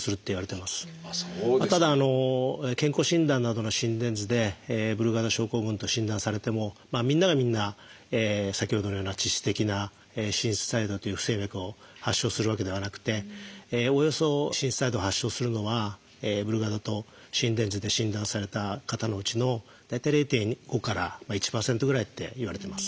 ただ健康診断などの心電図でブルガダ症候群と診断されてもみんながみんな先ほどのような致死的な心室細動という不整脈を発症するわけではなくておおよそ心室細動を発症するのはブルガダと心電図で診断された方のうちの大体０．５から１％ぐらいっていわれてます。